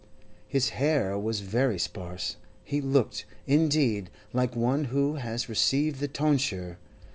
His hair was very sparse; he looked, indeed, like one who has received the tonsure.